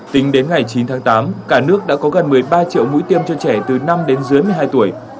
tính đến ngày chín tháng tám cả nước đã có gần một mươi ba triệu mũi tiêm cho trẻ từ năm đến dưới một mươi hai tuổi